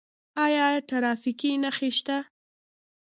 آیا ټرافیکي نښې شته؟